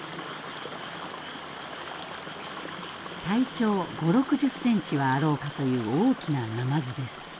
体長５０６０ｃｍはあろうかという大きなナマズです。